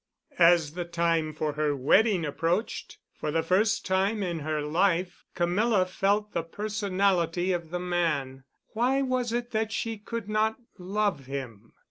As the time for her wedding approached, for the first time in her life Camilla felt the personality of the man. Why was it that she could not love him?